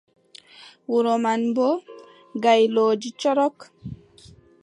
Wuro man, boo gaylooji corok.